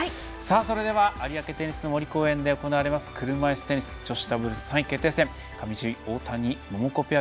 それでは有明テニスの森公園で行われます車いすテニス女子ダブルス３位決定戦上地結衣、大谷桃子ペア